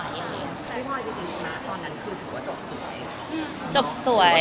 พี่พ่อจริงถึงตอนนั้นคือถือว่าจบสวย